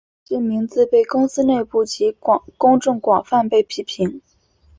这名字被公司内部及公众广泛被批评。